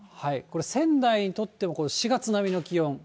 これ、仙台にとっても４月並みの気温。